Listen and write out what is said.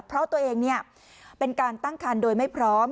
เพราะตัวเองเป็นการตั้งคันโดยไม่พร้อม